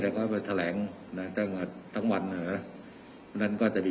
และก็จะไปแถลงทั้งทั้งวันเดือนนั้นก็จะมี